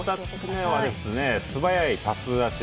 ２つ目は素早いパス出し。